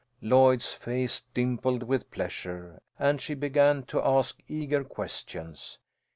Lloyd's face dimpled with pleasure, and she began to ask eager questions.